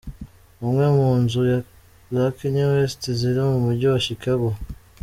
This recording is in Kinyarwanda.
Imwe mu nzu za Kanye West ziri mu mujyi wa Chicago.